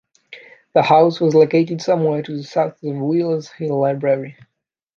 The house was located somewhere to the south of the Wheelers Hill Library.